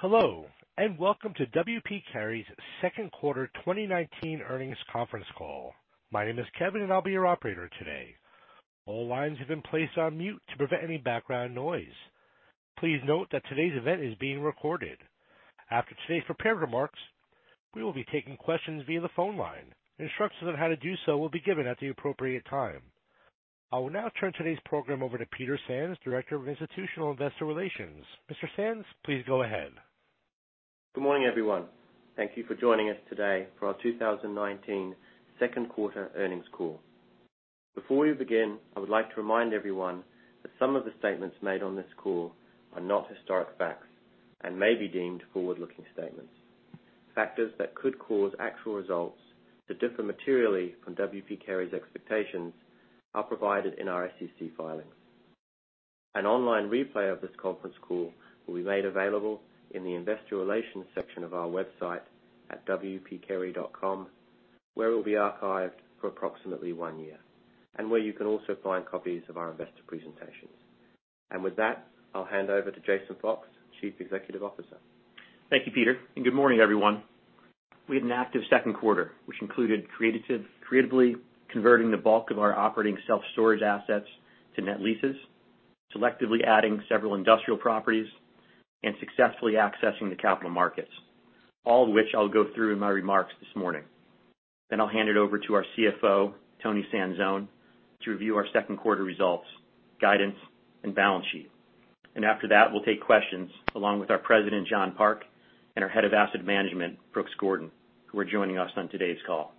Hello, and welcome to W. P. Carey's second quarter 2019 earnings conference call. My name is Kevin, and I'll be your operator today. All lines have been placed on mute to prevent any background noise. Please note that today's event is being recorded. After today's prepared remarks, we will be taking questions via the phone line. Instructions on how to do so will be given at the appropriate time. I will now turn today's program over to Peter Sands, Director of Institutional Investor Relations. Mr. Sands, please go ahead. Good morning, everyone. Thank you for joining us today for our 2019 second quarter earnings call. Before we begin, I would like to remind everyone that some of the statements made on this call are not historic facts and may be deemed forward-looking statements. Factors that could cause actual results to differ materially from W. P. Carey's expectations are provided in our SEC filings. An online replay of this conference call will be made available in the investor relations section of our website at wpcarey.com, where it will be archived for approximately one year, and where you can also find copies of our investor presentations. With that, I'll hand over to Jason Fox, Chief Executive Officer. Thank you, Peter. Good morning, everyone. We had an active second quarter, which included creatively converting the bulk of our operating self-storage assets to net leases, selectively adding several industrial properties, successfully accessing the capital markets, all of which I'll go through in my remarks this morning. I'll hand it over to our CFO, Toni Sanzone, to review our second quarter results, guidance, and balance sheet. After that, we'll take questions along with our President, John Park, and our Head of Asset Management, Brooks Gordon, who are joining us on today's call.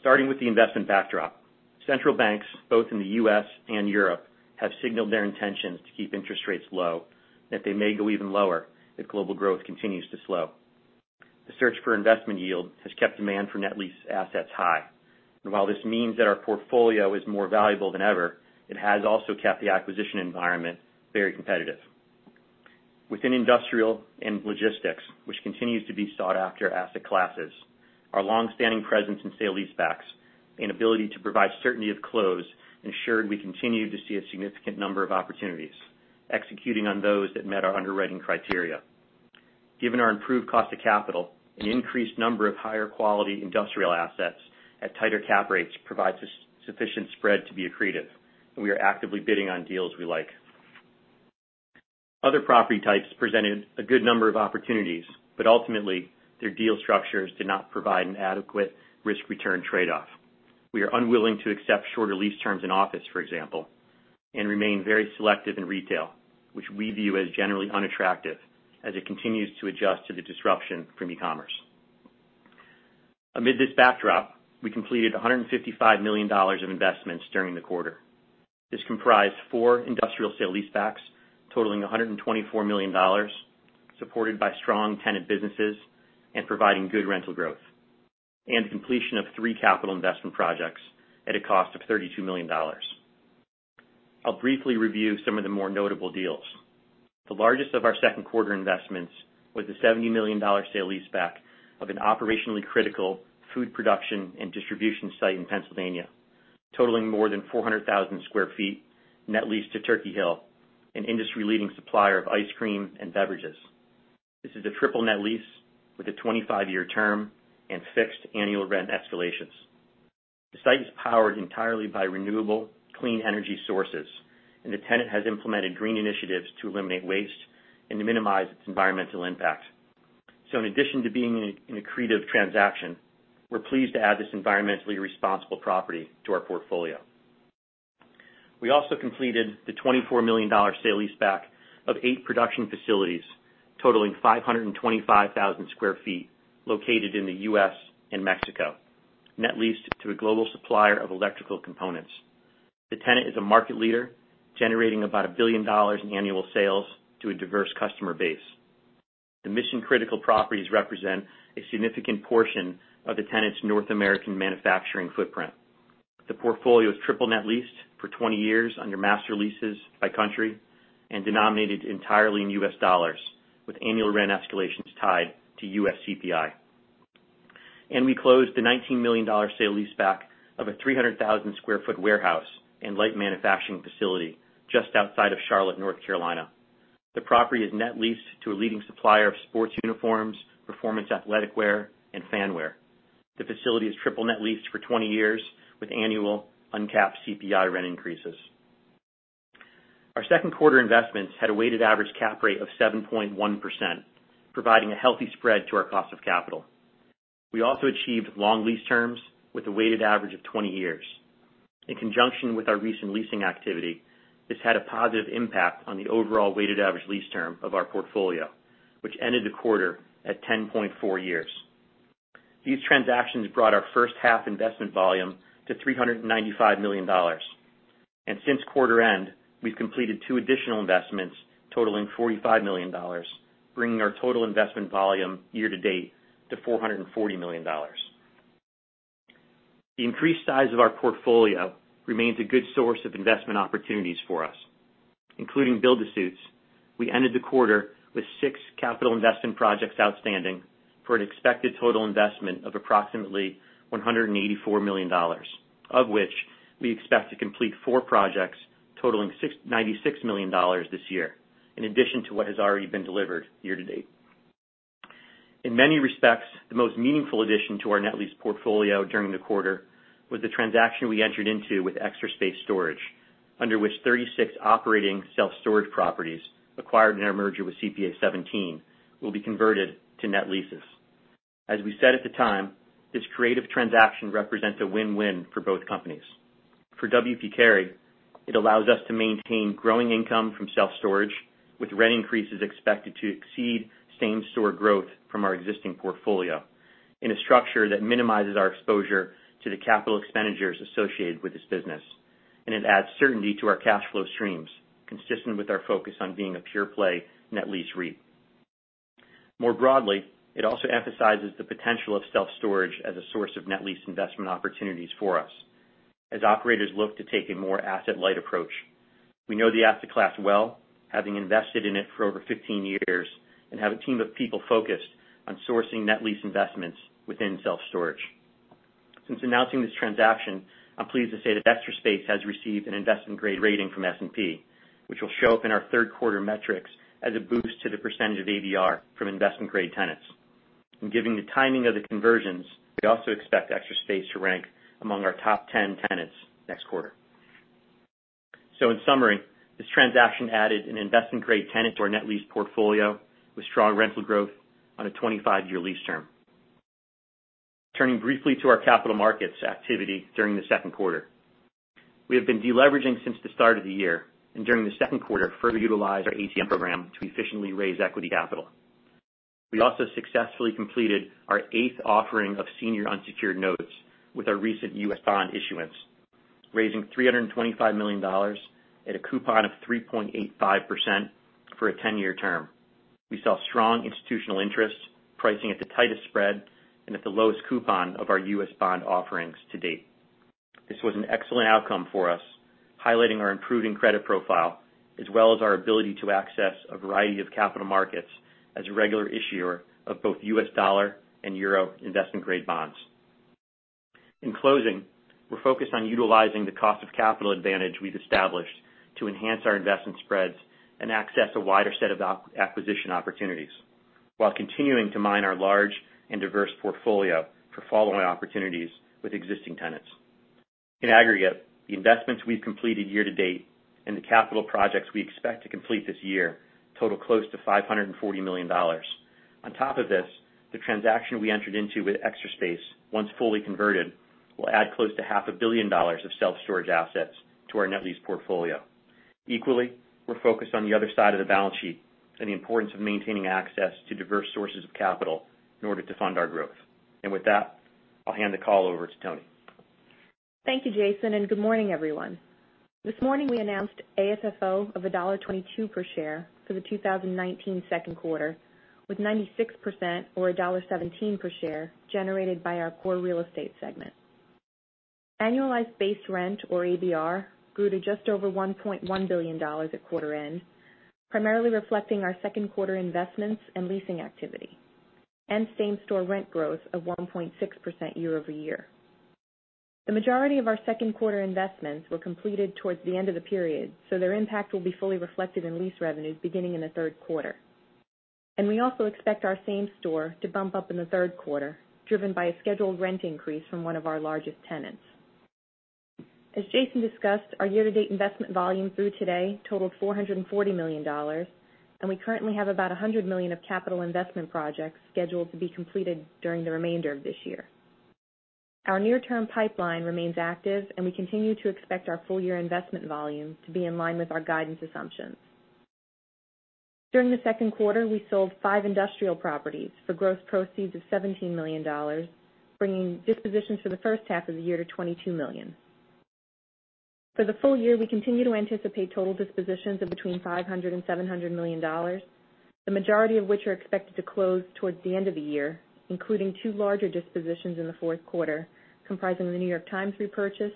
Starting with the investment backdrop, central banks both in the U.S. and Europe have signaled their intentions to keep interest rates low, that they may go even lower if global growth continues to slow. The search for investment yield has kept demand for net lease assets high. While this means that our portfolio is more valuable than ever, it has also kept the acquisition environment very competitive. Within industrial and logistics, which continues to be sought-after asset classes, our longstanding presence in sale leasebacks and ability to provide certainty of close ensured we continue to see a significant number of opportunities, executing on those that met our underwriting criteria. Given our improved cost of capital, an increased number of higher quality industrial assets at tighter cap rates provides sufficient spread to be accretive, and we are actively bidding on deals we like. Other property types presented a good number of opportunities, but ultimately their deal structures did not provide an adequate risk-return trade-off. We are unwilling to accept shorter lease terms in office, for example, and remain very selective in retail, which we view as generally unattractive, as it continues to adjust to the disruption from e-commerce. Amid this backdrop, we completed $155 million of investments during the quarter. This comprised four industrial sale leasebacks totaling $124 million, supported by strong tenant businesses and providing good rental growth, and the completion of three capital investment projects at a cost of $32 million. I'll briefly review some of the more notable deals. The largest of our second quarter investments was a $70 million sale leaseback of an operationally critical food production and distribution site in Pennsylvania, totaling more than 400,000 square feet net leased to Turkey Hill, an industry-leading supplier of ice cream and beverages. This is a triple net lease with a 25-year term and fixed annual rent escalations. The site is powered entirely by renewable clean energy sources. The tenant has implemented green initiatives to eliminate waste and to minimize its environmental impact. In addition to being an accretive transaction, we're pleased to add this environmentally responsible property to our portfolio. We also completed the $24 million sale leaseback of 8 production facilities totaling 525,000 sq ft located in the U.S. and Mexico, net leased to a global supplier of electrical components. The tenant is a market leader, generating about $1 billion in annual sales to a diverse customer base. The mission-critical properties represent a significant portion of the tenant's North American manufacturing footprint. The portfolio is triple net leased for 20 years under master leases by country and denominated entirely in US dollars, with annual rent escalations tied to U.S. CPI. We closed the $19 million sale leaseback of a 300,000 square foot warehouse and light manufacturing facility just outside of Charlotte, North Carolina. The property is net leased to a leading supplier of sports uniforms, performance athletic wear, and fan wear. The facility is triple net leased for 20 years with annual uncapped CPI rent increases. Our second quarter investments had a weighted average cap rate of 7.1%, providing a healthy spread to our cost of capital. We also achieved long lease terms with a weighted average of 20 years. In conjunction with our recent leasing activity, this had a positive impact on the overall weighted average lease term of our portfolio, which ended the quarter at 10.4 years. These transactions brought our first half investment volume to $395 million. Since quarter end, we've completed two additional investments totaling $45 million, bringing our total investment volume year to date to $440 million. The increased size of our portfolio remains a good source of investment opportunities for us. Including build-to-suits, we ended the quarter with six capital investment projects outstanding for an expected total investment of approximately $184 million, of which we expect to complete four projects totaling $96 million this year, in addition to what has already been delivered year to date. In many respects, the most meaningful addition to our net lease portfolio during the quarter was the transaction we entered into with Extra Space Storage, under which 36 operating self-storage properties acquired in our merger with CPA 17 will be converted to net leases. As we said at the time, this creative transaction represents a win-win for both companies. For W. P. Carey, it allows us to maintain growing income from self-storage, with rent increases expected to exceed same-store growth from our existing portfolio in a structure that minimizes our exposure to the capital expenditures associated with this business. It adds certainty to our cash flow streams, consistent with our focus on being a pure-play net lease REIT. More broadly, it also emphasizes the potential of self-storage as a source of net lease investment opportunities for us as operators look to take a more asset-light approach. We know the asset class well, having invested in it for over 15 years, and have a team of people focused on sourcing net lease investments within self-storage. Since announcing this transaction, I'm pleased to say that Extra Space has received an investment-grade rating from S&P, which will show up in our third-quarter metrics as a boost to the % of ABR from investment-grade tenants. Given the timing of the conversions, we also expect Extra Space to rank among our top 10 tenants next quarter. In summary, this transaction added an investment-grade tenant to our net lease portfolio with strong rental growth on a 25-year lease term. Turning briefly to our capital markets activity during the second quarter. We have been de-leveraging since the start of the year, and during the second quarter, further utilized our ATM program to efficiently raise equity capital. We also successfully completed our eighth offering of senior unsecured notes with our recent U.S. bond issuance, raising $325 million at a coupon of 3.85% for a 10-year term. We saw strong institutional interest pricing at the tightest spread and at the lowest coupon of our U.S. bond offerings to date. This was an excellent outcome for us, highlighting our improving credit profile, as well as our ability to access a variety of capital markets as a regular issuer of both U.S. dollar and euro investment-grade bonds. In closing, we're focused on utilizing the cost of capital advantage we've established to enhance our investment spreads and access a wider set of acquisition opportunities while continuing to mine our large and diverse portfolio for follow-on opportunities with existing tenants. In aggregate, the investments we've completed year to date and the capital projects we expect to complete this year total close to $540 million. On top of this, the transaction we entered into with Extra Space, once fully converted, will add close to half a billion dollars of self-storage assets to our net lease portfolio. Equally, we're focused on the other side of the balance sheet and the importance of maintaining access to diverse sources of capital in order to fund our growth. With that, I'll hand the call over to Toni. Thank you, Jason, and good morning, everyone. This morning we announced AFFO of $1.22 per share for the 2019 second quarter, with 96%, or $1.17 per share, generated by our core real estate segment. Annualized Base Rent, or ABR, grew to just over $1.1 billion at quarter end, primarily reflecting our second-quarter investments and leasing activity and same-store rent growth of 1.6% year-over-year. The majority of our second-quarter investments were completed towards the end of the period, so their impact will be fully reflected in lease revenues beginning in the third quarter. We also expect our same store to bump up in the third quarter, driven by a scheduled rent increase from one of our largest tenants. As Jason discussed, our year-to-date investment volume through today totaled $440 million, and we currently have about $100 million of capital investment projects scheduled to be completed during the remainder of this year. Our near-term pipeline remains active, and we continue to expect our full-year investment volume to be in line with our guidance assumptions. During the second quarter, we sold five industrial properties for gross proceeds of $17 million, bringing dispositions for the first half of the year to $22 million. For the full year, we continue to anticipate total dispositions of between $500 and $700 million, the majority of which are expected to close towards the end of the year, including two larger dispositions in the fourth quarter, comprising The New York Times repurchase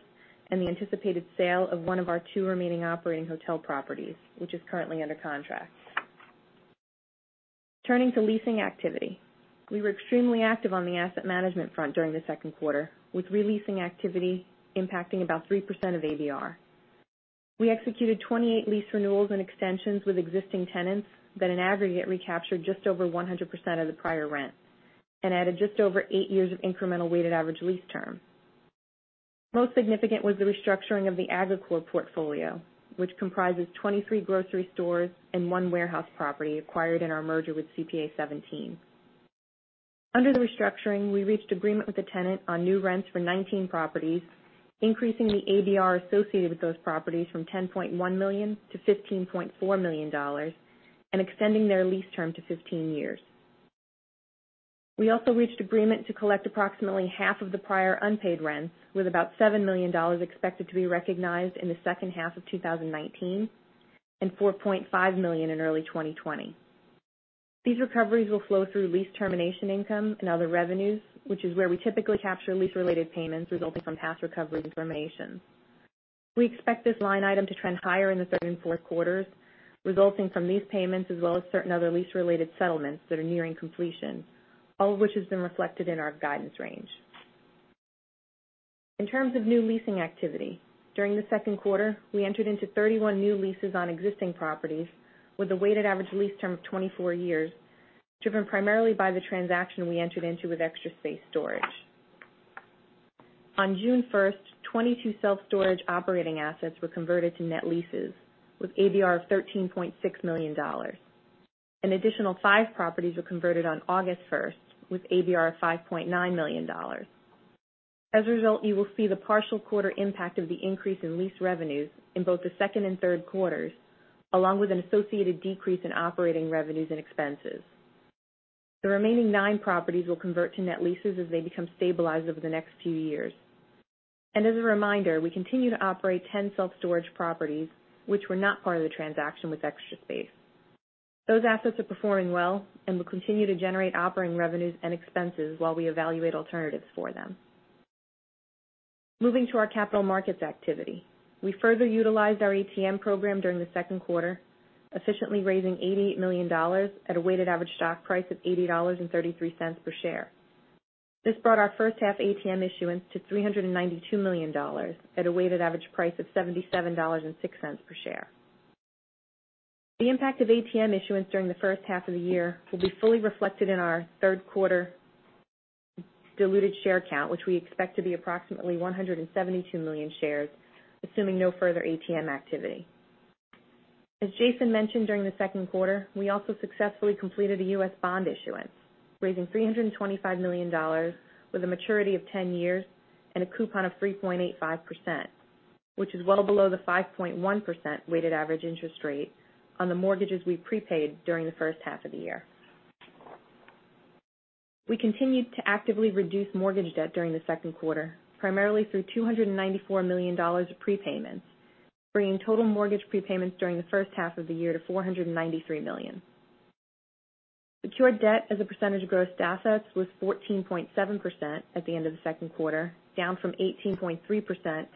and the anticipated sale of one of our two remaining operating hotel properties, which is currently under contract. Turning to leasing activity. We were extremely active on the asset management front during the second quarter, with re-leasing activity impacting about 3% of ABR. We executed 28 lease renewals and extensions with existing tenants that in aggregate recaptured just over 100% of the prior rent and added just over eight years of incremental weighted average lease term. Most significant was the restructuring of the Agrokor portfolio, which comprises 23 grocery stores and one warehouse property acquired in our merger with CPA Seventeen. Under the restructuring, we reached agreement with the tenant on new rents for 19 properties, increasing the ABR associated with those properties from $10.1 million to $15.4 million and extending their lease term to 15 years. We also reached agreement to collect approximately half of the prior unpaid rent, with about $7 million expected to be recognized in the second half of 2019 and $4.5 million in early 2020. These recoveries will flow through lease termination income and other revenues, which is where we typically capture lease-related payments resulting from past recoveries and terminations. We expect this line item to trend higher in the third and fourth quarters, resulting from these payments, as well as certain other lease-related settlements that are nearing completion, all of which has been reflected in our guidance range. In terms of new leasing activity, during the second quarter, we entered into 31 new leases on existing properties with a weighted average lease term of 24 years, driven primarily by the transaction we entered into with Extra Space Storage. On June 1st, 22 self-storage operating assets were converted to net leases with ABR of $13.6 million. An additional five properties were converted on August 1st with ABR of $5.9 million. As a result, you will see the partial quarter impact of the increase in lease revenues in both the second and third quarters, along with an associated decrease in operating revenues and expenses. The remaining nine properties will convert to net leases as they become stabilized over the next few years. As a reminder, we continue to operate 10 self-storage properties, which were not part of the transaction with Extra Space. Those assets are performing well and will continue to generate operating revenues and expenses while we evaluate alternatives for them. Moving to our capital markets activity. We further utilized our ATM program during the second quarter, efficiently raising $88 million at a weighted average stock price of $80.33 per share. This brought our first half ATM issuance to $392 million at a weighted average price of $77.06 per share. The impact of ATM issuance during the first half of the year will be fully reflected in our third quarter diluted share count, which we expect to be approximately 172 million shares, assuming no further ATM activity. As Jason mentioned during the second quarter, we also successfully completed a U.S. bond issuance, raising $325 million with a maturity of 10 years and a coupon of 3.85%, which is well below the 5.1% weighted average interest rate on the mortgages we prepaid during the first half of the year. We continued to actively reduce mortgage debt during the second quarter, primarily through $294 million of prepayments, bringing total mortgage prepayments during the first half of the year to $493 million. Secured debt as a percentage of grossed assets was 14.7% at the end of the second quarter, down from 18.3%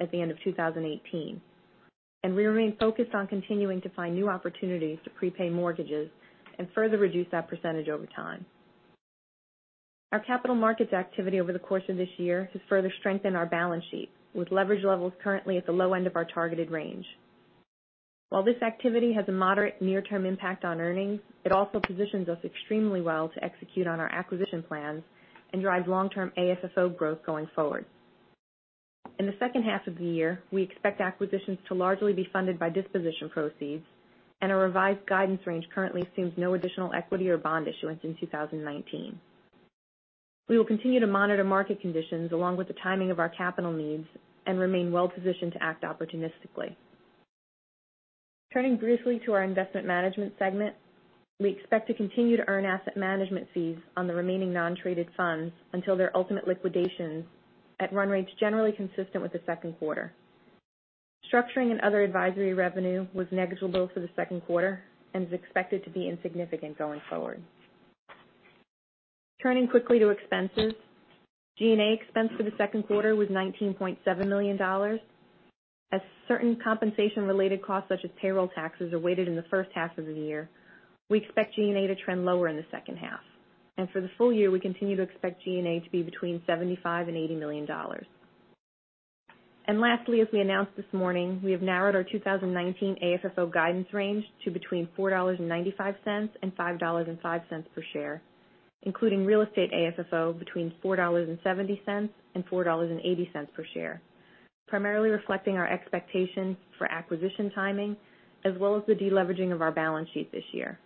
at the end of 2018. We remain focused on continuing to find new opportunities to prepay mortgages and further reduce that % over time. Our capital markets activity over the course of this year has further strengthened our balance sheet with leverage levels currently at the low end of our targeted range. While this activity has a moderate near-term impact on earnings, it also positions us extremely well to execute on our acquisition plans and drive long-term AFFO growth going forward. In the second half of the year, we expect acquisitions to largely be funded by disposition proceeds, and a revised guidance range currently assumes no additional equity or bond issuance in 2019. We will continue to monitor market conditions along with the timing of our capital needs and remain well-positioned to act opportunistically. Turning briefly to our investment management segment. We expect to continue to earn asset management fees on the remaining non-traded funds until their ultimate liquidations at run rates generally consistent with the second quarter. Structuring and other advisory revenue was negligible for the second quarter and is expected to be insignificant going forward. Turning quickly to expenses. G&A expense for the second quarter was $19.7 million. As certain compensation-related costs such as payroll taxes are weighted in the first half of the year, we expect G&A to trend lower in the second half. For the full year, we continue to expect G&A to be between $75 million and $80 million. Lastly, as we announced this morning, we have narrowed our 2019 AFFO guidance range to between $4.95 and $5.05 per share, including real estate AFFO between $4.70 and $4.80 per share, primarily reflecting our expectations for acquisition timing as well as the de-leveraging of our balance sheet this year.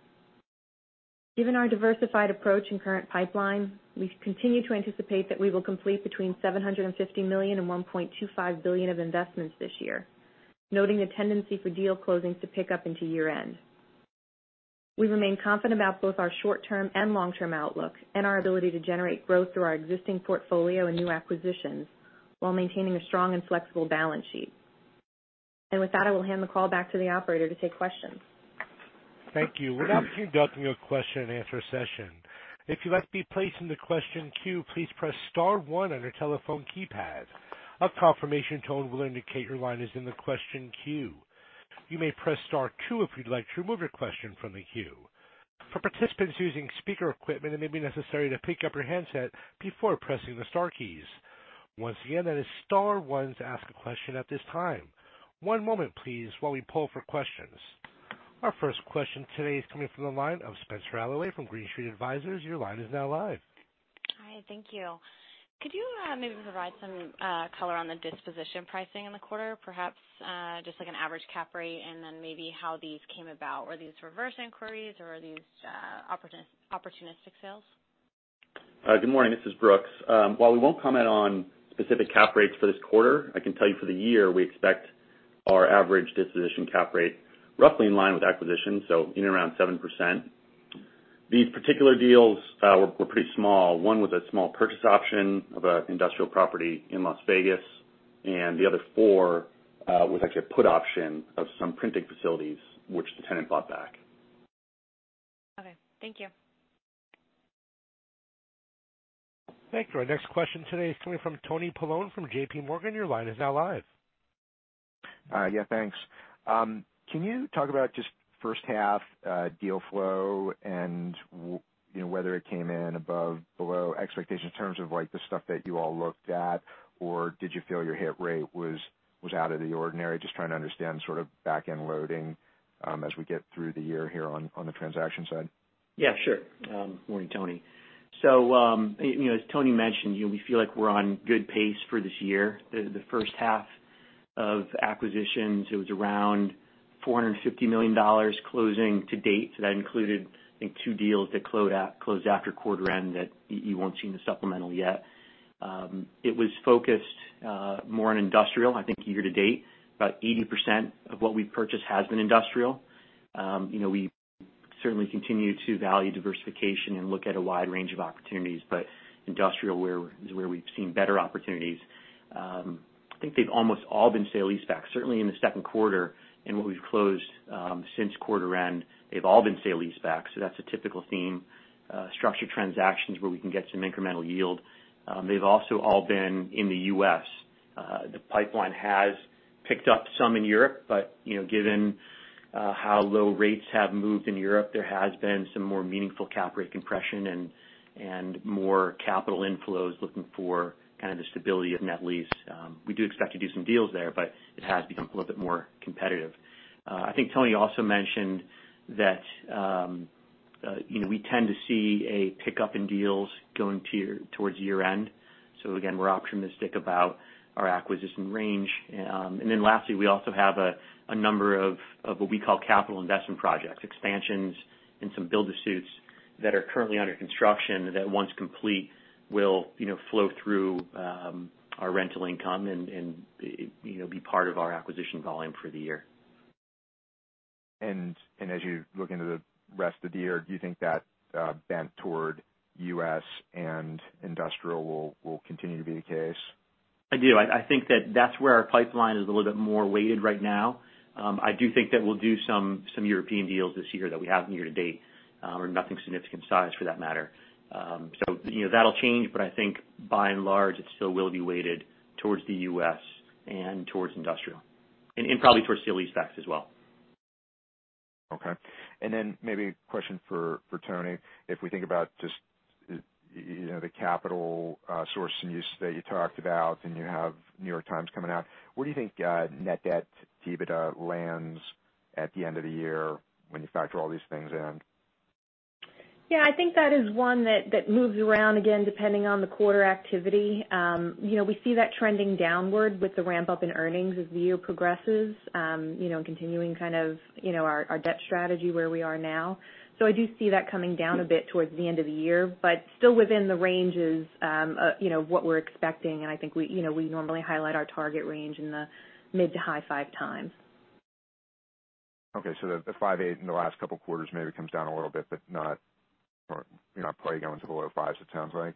Given our diversified approach and current pipeline, we continue to anticipate that we will complete between $750 million and $1.25 billion of investments this year, noting the tendency for deal closings to pick up into year-end. We remain confident about both our short-term and long-term outlook and our ability to generate growth through our existing portfolio and new acquisitions while maintaining a strong and flexible balance sheet. With that, I will hand the call back to the operator to take questions. Thank you. We're now going to begin the question and answer session. If you'd like to be placed in the question queue, please press star 1 on your telephone keypad. A confirmation tone will indicate your line is in the question queue. You may press star 2 if you'd like to remove your question from the queue. For participants using speaker equipment, it may be necessary to pick up your handset before pressing the star keys. Once again, that is star 1 to ask a question at this time. One moment please while we poll for questions. Our first question today is coming from the line of Spenser Allaway from Green Street Advisors. Your line is now live. Hi, thank you. Could you, maybe provide some color on the disposition pricing in the quarter, perhaps, just like an average cap rate and then maybe how these came about? Were these reverse inquiries, or are these opportunistic sales? Good morning. This is Brooks. While we won't comment on specific cap rates for this quarter, I can tell you for the year, we expect our average disposition cap rate roughly in line with acquisition, so in and around 7%. These particular deals were pretty small. One was a small purchase option of an industrial property in Las Vegas, and the other four was actually a put option of some printing facilities which the tenant bought back. Okay. Thank you. Thank you. Our next question today is coming from Tony Paolone from JPMorgan. Your line is now live. Yeah, thanks. Can you talk about just first half deal flow and whether it came in above, below expectations in terms of the stuff that you all looked at, or did you feel your hit rate was out of the ordinary? Just trying to understand sort of back-end loading, as we get through the year here on the transaction side. Yeah, sure. Morning, Tony. As Tony mentioned, we feel like we're on good pace for this year. The first half of acquisitions, it was around $450 million closing to date. That included, I think, two deals that closed after quarter end that you won't see in the supplemental yet. It was focused more on industrial. I think year to date, about 80% of what we've purchased has been industrial. We certainly continue to value diversification and look at a wide range of opportunities, but industrial is where we've seen better opportunities. I think they've almost all been sale leaseback, certainly in the second quarter and what we've closed since quarter end, they've all been sale leaseback, so that's a typical theme, structured transactions where we can get some incremental yield. They've also all been in the U.S. The pipeline has picked up some in Europe, but given how low rates have moved in Europe, there has been some more meaningful cap rate compression and more capital inflows looking for kind of the stability of net lease. We do expect to do some deals there, but it has become a little bit more competitive. I think Tony also mentioned that we tend to see a pickup in deals going towards year-end. Again, we're optimistic about our acquisition range. Lastly, we also have a number of what we call capital investment projects, expansions and some build-to-suits that are currently under construction that once complete, will flow through our rental income and be part of our acquisition volume for the year. As you look into the rest of the year, do you think that bent toward U.S. and industrial will continue to be the case? I do. I think that that's where our pipeline is a little bit more weighted right now. I do think that we'll do some European deals this year that we haven't year to date. Nothing significant size for that matter. That'll change, but I think by and large, it still will be weighted towards the U.S. and towards industrial. Probably towards sale leasebacks as well. Okay. Then maybe a question for Toni. If we think about just the capital source and use that you talked about, and you have The New York Times coming out, where do you think net debt, EBITDA lands at the end of the year when you factor all these things in? Yeah, I think that is one that moves around, again, depending on the quarter activity. We see that trending downward with the ramp up in earnings as the year progresses, continuing kind of our debt strategy where we are now. I do see that coming down a bit towards the end of the year, but still within the ranges of what we're expecting, and I think we normally highlight our target range in the mid-to-high 5x. Okay. The 5.8 in the last couple of quarters maybe comes down a little bit, but not probably going to the lower fives, it sounds like.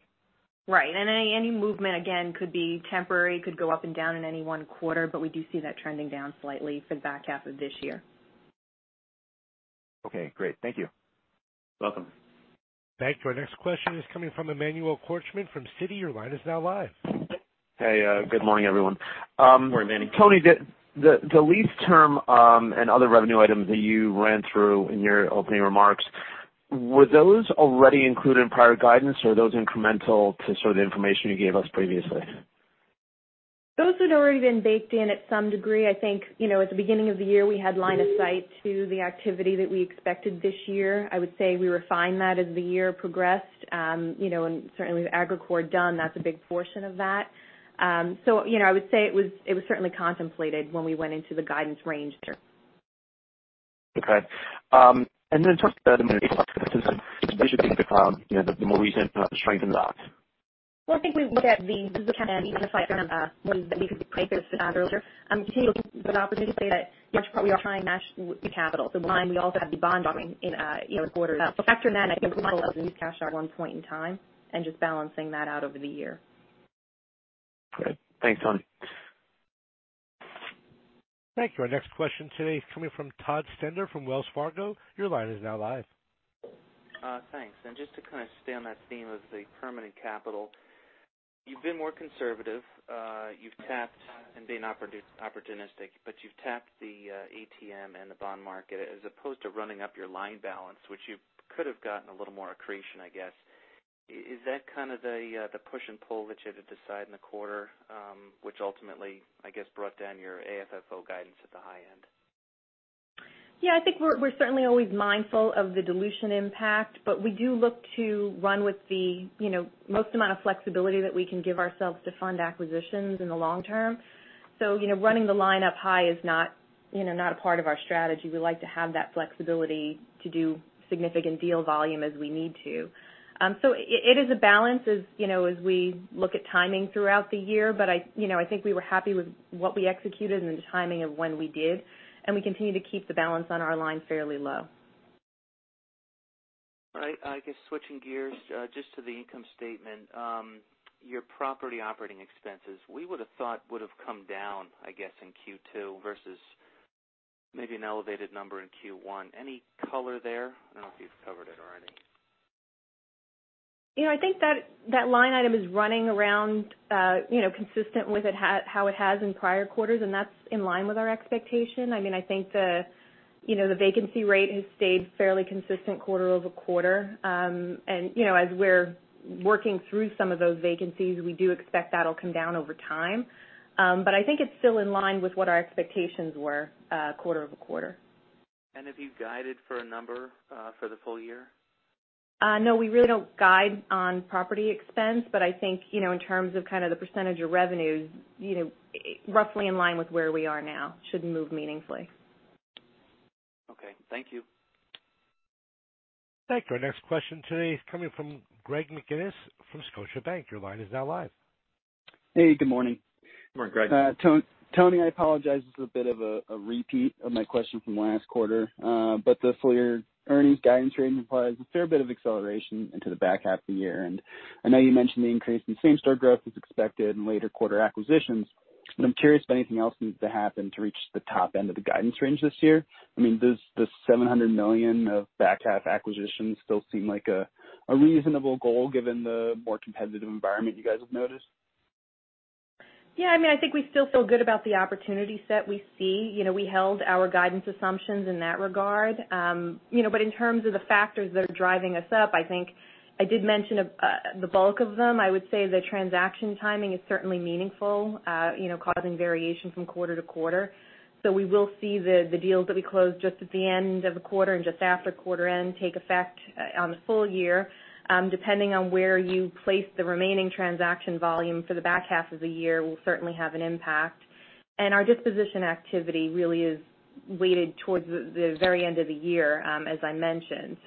Right. Any movement, again, could be temporary, could go up and down in any one quarter, but we do see that trending down slightly for the back half of this year. Okay, great. Thank you. Welcome. Thank you. Our next question is coming from Emmanuel Korchman from Citi. Your line is now live. Hey, good morning, everyone. Morning, Emmanuel. Toni, the lease term, and other revenue items that you ran through in your opening remarks, were those already included in prior guidance, or are those incremental to sort of the information you gave us previously? Those had already been baked in at some degree. I think, at the beginning of the year, we had line of sight to the activity that we expected this year. I would say we refined that as the year progressed. Certainly with Agrokor done, that's a big portion of that. I would say it was certainly contemplated when we went into the guidance range. Okay, talking about the permanent capital, specifically, the more recent strength in that. Well, I think we look at the permanent capital and even the FICO, one of the things that we could price this earlier. We continue to look at those opportunities today that match where we are trying to match the capital. The line, we also have the bond market in our quarters. Factoring that in, I think we're mindful of the use of cash at one point in time, and just balancing that out over the year. Great. Thanks, Toni. Thank you. Our next question today is coming from Todd Stender from Wells Fargo. Your line is now live. Thanks. Just to kind of stay on that theme of the permanent capital, you've been more conservative. You've tapped and been opportunistic, but you've tapped the ATM and the bond market as opposed to running up your line balance, which you could have gotten a little more accretion, I guess. Is that kind of the push and pull that you had to decide in the quarter, which ultimately, I guess, brought down your AFFO guidance at the high end? I think we're certainly always mindful of the dilution impact, but we do look to run with the most amount of flexibility that we can give ourselves to fund acquisitions in the long term. Running the line up high is not a part of our strategy. We like to have that flexibility to do significant deal volume as we need to. It is a balance as we look at timing throughout the year, but I think we were happy with what we executed and the timing of when we did, and we continue to keep the balance on our line fairly low. Right. I guess switching gears just to the income statement. Your property operating expenses, we would have thought would have come down, I guess, in Q2 versus. Maybe an elevated number in Q1. Any color there? I don't know if you've covered it already. I think that line item is running around consistent with how it has in prior quarters, and that's in line with our expectation. I think the vacancy rate has stayed fairly consistent quarter-over-quarter. As we're working through some of those vacancies, we do expect that'll come down over time. I think it's still in line with what our expectations were quarter-over-quarter. Have you guided for a number for the full year? No, we really don't guide on property expense, but I think in terms of the percentage of revenues, roughly in line with where we are now. Shouldn't move meaningfully. Okay. Thank you. Thank you. Our next question today is coming from Greg McGinniss from Scotiabank. Your line is now live. Hey, good morning. Good morning, Greg. Toni, I apologize, this is a bit of a repeat of my question from last quarter. The full year earnings guidance range implies a fair bit of acceleration into the back half of the year. I know you mentioned the increase in same-store growth was expected in later quarter acquisitions, but I'm curious if anything else needs to happen to reach the top end of the guidance range this year. Does the $700 million of back half acquisitions still seem like a reasonable goal given the more competitive environment you guys have noticed? Yeah. I think we still feel good about the opportunity set we see. We held our guidance assumptions in that regard. In terms of the factors that are driving us up, I think I did mention the bulk of them. I would say the transaction timing is certainly meaningful causing variation from quarter to quarter. We will see the deals that we close just at the end of the quarter and just after quarter end take effect on the full year. Depending on where you place the remaining transaction volume for the back half of the year, will certainly have an impact. Our disposition activity really is weighted towards the very end of the year, as I mentioned.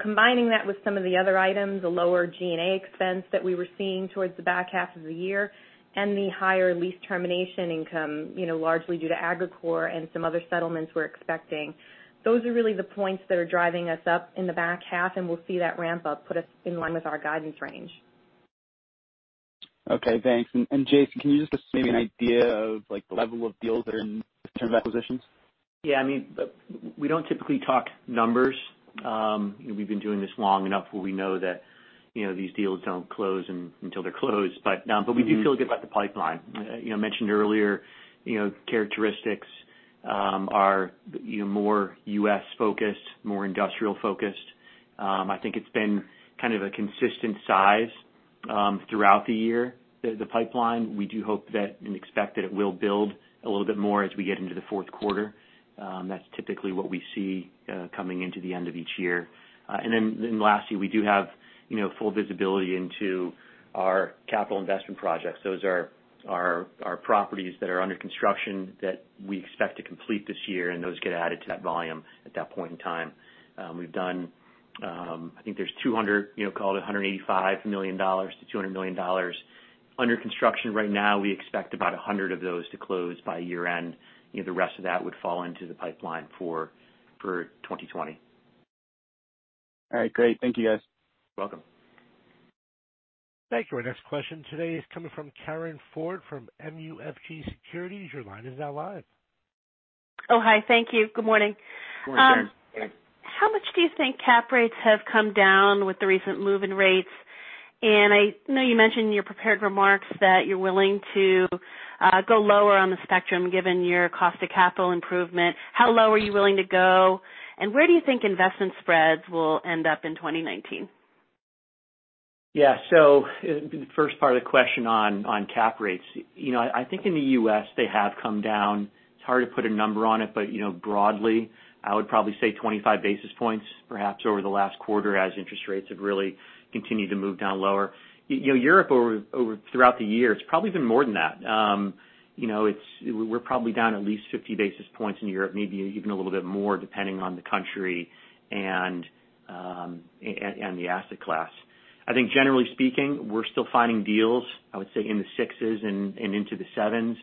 Combining that with some of the other items, the lower G&A expense that we were seeing towards the back half of the year and the higher lease termination income, largely due to Agrokor and some other settlements we're expecting. Those are really the points that are driving us up in the back half, and we'll see that ramp up put us in line with our guidance range. Okay, thanks. Jason, can you just give us maybe an idea of the level of deals that are in terms of acquisitions? Yeah. We don't typically talk numbers. We've been doing this long enough where we know that these deals don't close until they're closed. We do feel good about the pipeline. I mentioned earlier, characteristics are more U.S. focused, more industrial focused. I think it's been kind of a consistent size throughout the year, the pipeline. We do hope and expect that it will build a little bit more as we get into the fourth quarter. That's typically what we see coming into the end of each year. Lastly, we do have full visibility into our capital investment projects. Those are our properties that are under construction that we expect to complete this year, and those get added to that volume at that point in time. We've done, I think there's 200, call it $185 million to $200 million under construction right now. We expect about 100 of those to close by year-end. The rest of that would fall into the pipeline for 2020. All right, great. Thank you, guys. You're welcome. Thank you. Our next question today is coming from Karin Ford from MUFG Securities. Your line is now live. Oh, hi. Thank you. Good morning. Good morning, Karin. How much do you think cap rates have come down with the recent move in rates? I know you mentioned in your prepared remarks that you're willing to go lower on the spectrum given your cost of capital improvement. How low are you willing to go, and where do you think investment spreads will end up in 2019? The first part of the question on cap rates. I think in the U.S. they have come down. It's hard to put a number on it, but broadly, I would probably say 25 basis points perhaps over the last quarter as interest rates have really continued to move down lower. Europe throughout the year, it's probably been more than that. We're probably down at least 50 basis points in Europe, maybe even a little bit more, depending on the country and the asset class. I think generally speaking, we're still finding deals, I would say in the sixes and into the sevens.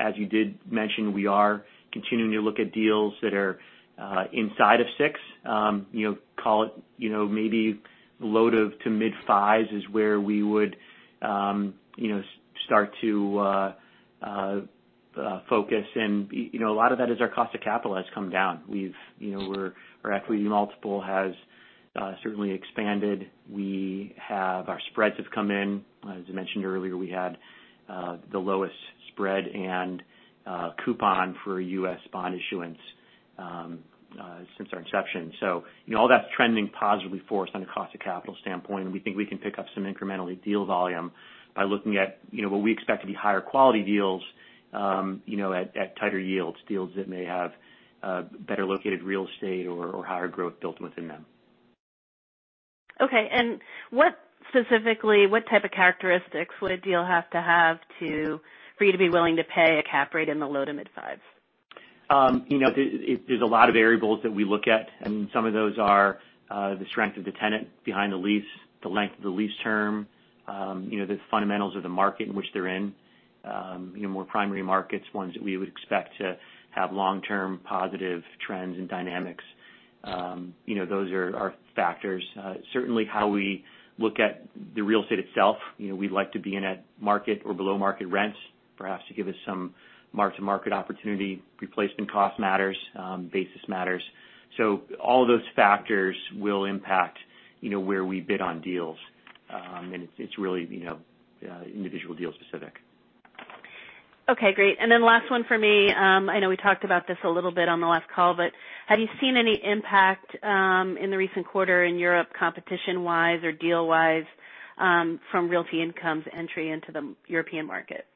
As you did mention, we are continuing to look at deals that are inside of six. Call it maybe low to mid fives is where we would start to focus. A lot of that is our cost of capital has come down. Our equity multiple has certainly expanded. Our spreads have come in. As I mentioned earlier, we had the lowest spread and coupon for U.S. bond issuance since our inception. All that's trending positively for us on a cost of capital standpoint, and we think we can pick up some incremental deal volume by looking at what we expect to be higher quality deals at tighter yields. Deals that may have better located real estate or higher growth built within them. Okay. Specifically, what type of characteristics would a deal have to have for you to be willing to pay a cap rate in the low to mid fives? There's a lot of variables that we look at, and some of those are the strength of the tenant behind the lease, the length of the lease term. The fundamentals of the market in which they're in. More primary markets, ones that we would expect to have long-term positive trends and dynamics. Those are our factors. Certainly how we look at the real estate itself. We'd like to be in at market or below market rents, perhaps to give us some mark-to-market opportunity. Replacement cost matters. Basis matters. All of those factors will impact where we bid on deals. It's really individual deal specific. Okay, great. Then last one for me. I know we talked about this a little bit on the last call, but have you seen any impact in the recent quarter in Europe competition-wise or deal-wise from Realty Income's entry into the European market?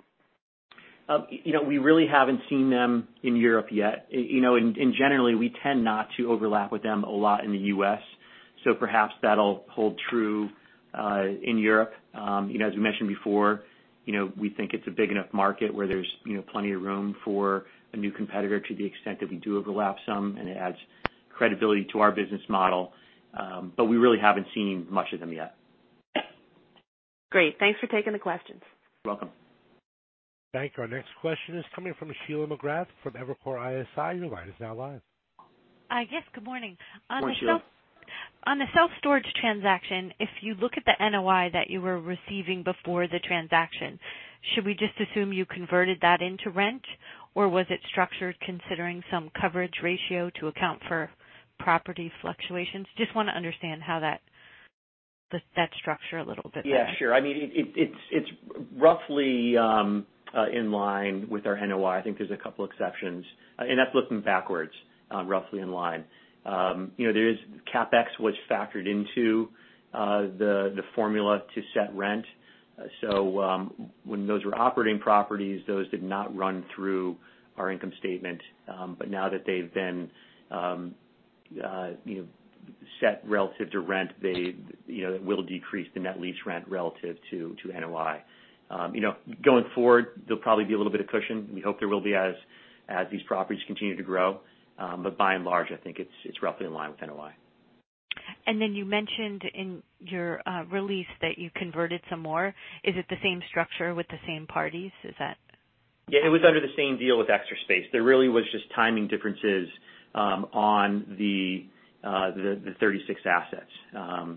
We really haven't seen them in Europe yet. Generally, we tend not to overlap with them a lot in the U.S., so perhaps that'll hold true in Europe. As we mentioned before, we think it's a big enough market where there's plenty of room for a new competitor to the extent that we do overlap some, and it adds credibility to our business model. We really haven't seen much of them yet. Great. Thanks for taking the questions. You're welcome. Thank you. Our next question is coming from Sheila McGrath from Evercore ISI. Your line is now live. Yes, good morning. Morning, Sheila. On the self-storage transaction, if you look at the NOI that you were receiving before the transaction, should we just assume you converted that into rent, or was it structured considering some coverage ratio to account for property fluctuations? Just want to understand how that structure a little bit better. Yeah, sure. It's roughly in line with our NOI. I think there's a couple exceptions. That's looking backwards, roughly in line. There is CapEx, which factored into the formula to set rent. When those were operating properties, those did not run through our income statement. Now that they've been set relative to rent, that will decrease the net lease rent relative to NOI. Going forward, there'll probably be a little bit of cushion. We hope there will be, as these properties continue to grow. By and large, I think it's roughly in line with NOI. You mentioned in your release that you converted some more. Is it the same structure with the same parties? Yeah, it was under the same deal with Extra Space. There really was just timing differences on the 36 assets.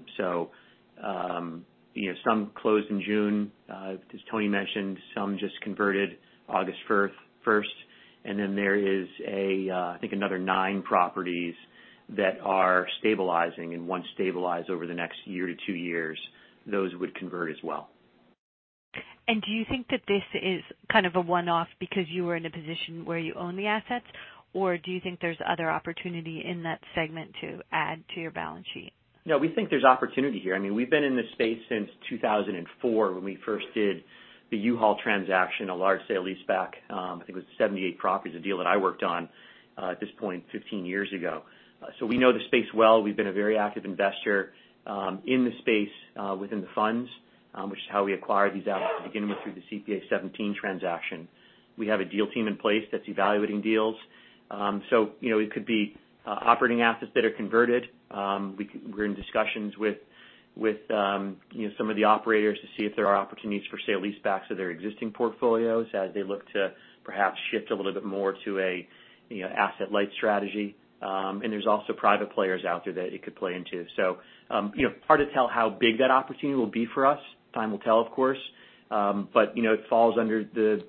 Some closed in June as Tony mentioned, some just converted August 1st. There is, I think, another nine properties that are stabilizing. Once stabilized over the next year to two years, those would convert as well. Do you think that this is kind of a one-off because you were in a position where you own the assets, or do you think there's other opportunity in that segment to add to your balance sheet? No, we think there's opportunity here. We've been in this space since 2004 when we first did the U-Haul transaction, a large sale-leaseback. I think it was 78 properties, a deal that I worked on, at this point 15 years ago. We know the space well. We've been a very active investor in the space within the funds, which is how we acquired these assets to begin with, through the CPA 17 transaction. We have a deal team in place that's evaluating deals. It could be operating assets that are converted. We're in discussions with some of the operators to see if there are opportunities for sale-leasebacks of their existing portfolios as they look to perhaps shift a little bit more to an asset-light strategy. There's also private players out there that it could play into. Hard to tell how big that opportunity will be for us. Time will tell, of course. It falls under the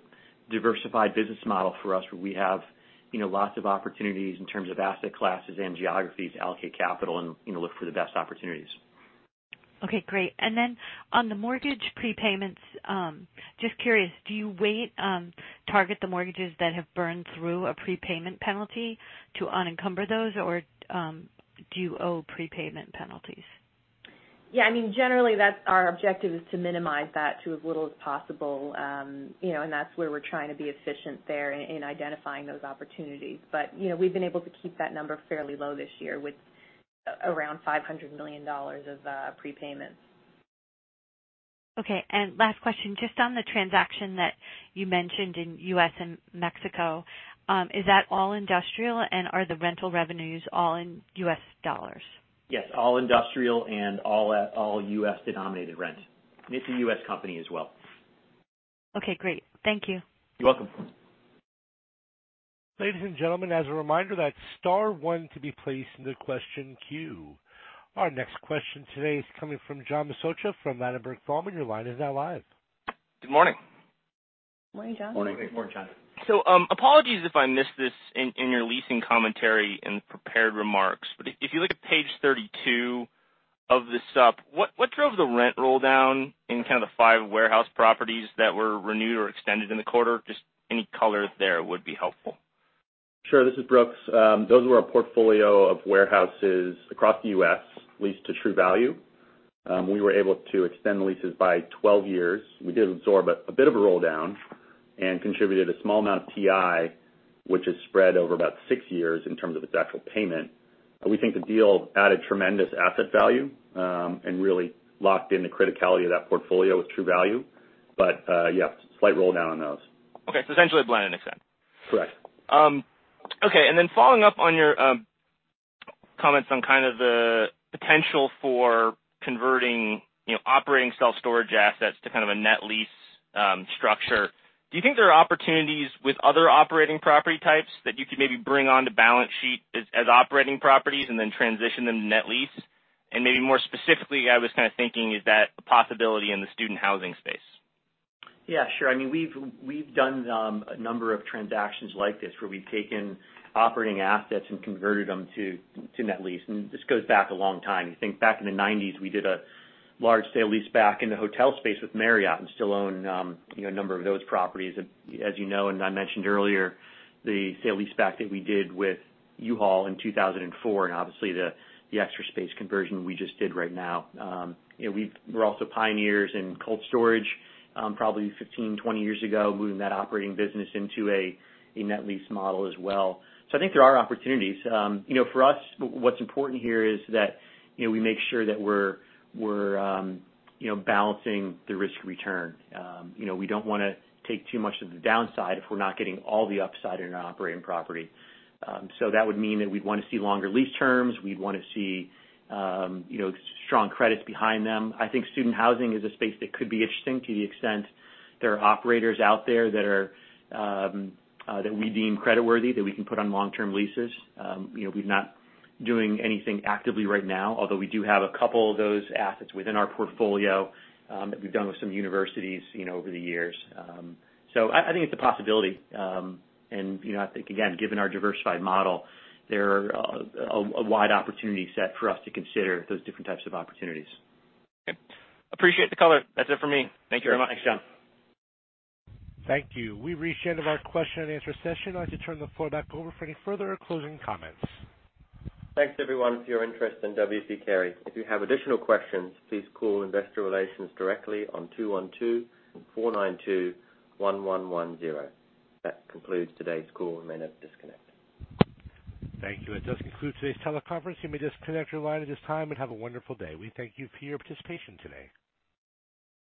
diversified business model for us, where we have lots of opportunities in terms of asset classes and geographies to allocate capital and look for the best opportunities. Okay, great. On the mortgage prepayments, just curious, do you weight target the mortgages that have burned through a prepayment penalty to unencumber those, or do you owe prepayment penalties? Yeah. Generally, our objective is to minimize that to as little as possible. That's where we're trying to be efficient there in identifying those opportunities. We've been able to keep that number fairly low this year with around $500 million of prepayment. Okay. Last question, just on the transaction that you mentioned in U.S. and Mexico, is that all industrial, and are the rental revenues all in U.S. dollars? Yes, all industrial and all U.S.-denominated rent. It's a U.S. company as well. Okay, great. Thank you. You're welcome. Ladies and gentlemen, as a reminder, that's star one to be placed into question queue. Our next question today is coming from John Massocca from Ladenburg Thalmann. Your line is now live. Good morning. Morning, John. Morning. Apologies if I missed this in your leasing commentary and prepared remarks, if you look at page 32 of the sup, what drove the rent roll down in kind of the five warehouse properties that were renewed or extended in the quarter? Just any color there would be helpful. Sure. This is Brooks. Those were our portfolio of warehouses across the U.S. leased to True Value. We were able to extend the leases by 12 years. We did absorb a bit of a roll-down and contributed a small amount of TI, which is spread over about six years in terms of its actual payment. We think the deal added tremendous asset value and really locked in the criticality of that portfolio with True Value. Yeah, slight roll down on those. Okay. Essentially blend and extend. Correct. Okay. Following up on your comments on kind of the potential for converting operating self-storage assets to kind of a net lease structure. Do you think there are opportunities with other operating property types that you could maybe bring onto balance sheet as operating properties and then transition them to net lease? Maybe more specifically, I was kind of thinking, is that a possibility in the student housing space? Yeah, sure. We've done a number of transactions like this, where we've taken operating assets and converted them to net lease, and this goes back a long time. You think back in the '90s, we did a large sale leaseback in the hotel space with Marriott and still own a number of those properties. As you know, and I mentioned earlier, the sale leaseback that we did with U-Haul in 2004, and obviously the Extra Space conversion we just did right now. We're also pioneers in cold storage, probably 15, 20 years ago, moving that operating business into a net lease model as well. I think there are opportunities. For us, what's important here is that we make sure that we're balancing the risk/return. We don't want to take too much of the downside if we're not getting all the upside in an operating property. That would mean that we'd want to see longer lease terms. We'd want to see strong credits behind them. I think student housing is a space that could be interesting to the extent there are operators out there that we deem creditworthy, that we can put on long-term leases. We're not doing anything actively right now, although we do have a couple of those assets within our portfolio that we've done with some universities over the years. I think it's a possibility. I think, again, given our diversified model, there are a wide opportunity set for us to consider those different types of opportunities. Okay. Appreciate the color. That's it for me. Thank you very much. Thanks, John. Thank you. We've reached the end of our question and answer session. I'd like to turn the floor back over for any further closing comments. Thanks everyone for your interest in W. P. Carey. If you have additional questions, please call investor relations directly on 212-492-1110. That concludes today's call. You may now disconnect. Thank you. That does conclude today's teleconference. You may disconnect your line at this time, and have a wonderful day. We thank you for your participation today.